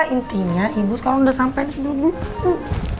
intinya ibu sekarang udah sampe